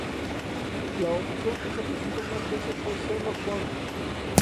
La opción que se presentó más veces fue "Sherlock Bones".